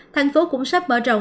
thành phố cũng sắp mở rộng